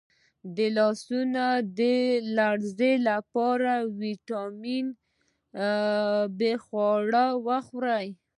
د لاسونو د لرزې لپاره د ویټامین بي خواړه وخورئ